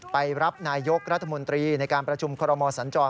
ไปรับนายกรัฐมนตรีในการประชุมคอรมอสัญจร